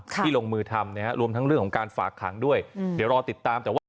ที่ลงมือทำนะฮะรวมทั้งเรื่องของการฝากขังด้วยเดี๋ยวรอติดตามแต่ว่า